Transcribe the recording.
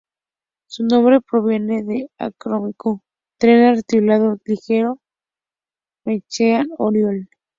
Su nombre proviene del acrónimo "Tren Articulado Ligero Goicoechea Oriol".